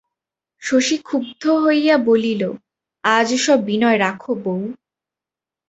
শশী ক্ষুব্ধ হইয়া বলিল, আজ ওসব বিনয় রাখো বৌ।